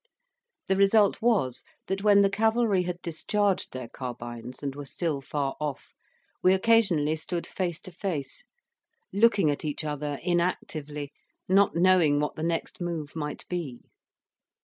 The result was, that when the cavalry had discharged their carbines, and were still far off, we occasionally stood face to face, looking at each other inactively, not knowing what the next move might be.